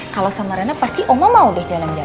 kalau sama rena pasti oma mau deh jalan jalan